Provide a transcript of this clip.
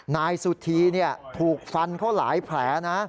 นายสุธีถูกฟันเขาหลายแผลนะ